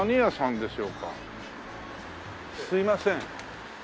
すいません。